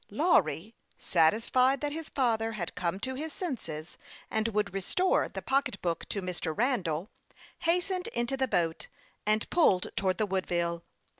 LAWRY, satisfied that his father had" come to his senses, and would restore the pocketbook to Mr. Randall, hastened into the boat, and pulled towards the Woodville.